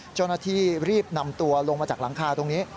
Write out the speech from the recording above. เจ้าหน้าที่รีบนำตัวลงมาจากหลังคาตรงนี้